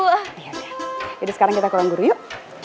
jadi sekarang kita ke orang guru yuk